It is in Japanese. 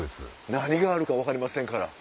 何があるか分かりませんから。